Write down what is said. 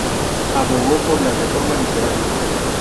Abogó por la reforma literaria.